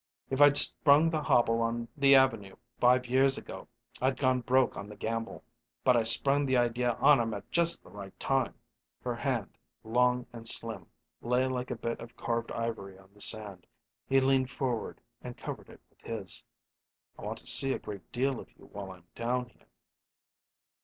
If I'd sprung the hobble on the Avenue five years ago I'd gone broke on the gamble; but I sprung the idea on 'em at just the right time." Her hand, long and slim, lay like a bit of carved ivory on the sand; he leaned forward and covered it with his. "I want to see a great deal of you while I'm down here."